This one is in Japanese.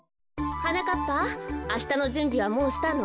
はなかっぱあしたのじゅんびはもうしたの？